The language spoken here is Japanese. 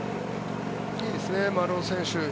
いいですね、丸尾選手。